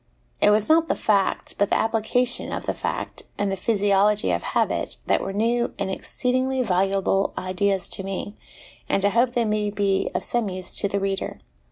It was not the fact, but the application of the fact, and the physiology of habit, that were new and exceedingly valuable ideas to me, and I hope they may be of some use to the reader.